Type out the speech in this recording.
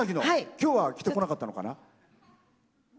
今日は着てこなかったのかな。